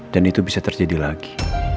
itu bisa terjadi lagi